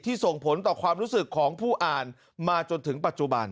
ส่งผลต่อความรู้สึกของผู้อ่านมาจนถึงปัจจุบัน